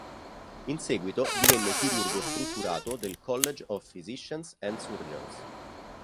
In seguito divenne chirurgo strutturato del College of Physicians and Surgeons.